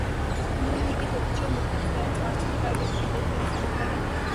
ن لیگ کے توپچیوں اور مختلف بینڈ ماسٹرز کی کارکردگی دیکھ کر ایسا لگتا ہے۔